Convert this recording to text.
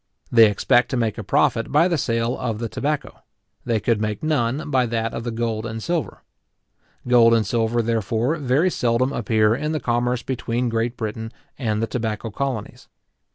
They expect to make a profit by the sale of the tobacco; they could make none by that of the gold and silver. Gold and silver, therefore, very seldom appear in the commerce between Great Britain and the tobacco colonies.